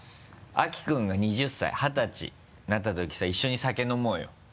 秋君が２０歳二十歳になったときにさ一緒に酒飲もうよ。